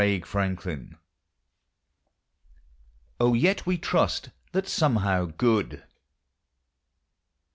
O YET WE TRUST THAT SOMEHOW GOOD.